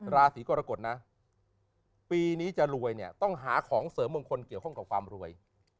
ราศีกรกฎนะปีนี้จะรวยเนี่ยต้องหาของเสริมมงคลเกี่ยวข้องกับความรวย